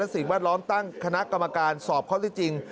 และศิลป์วัดล้อมตั้งคณะกรรมการสอบเขาได้จริง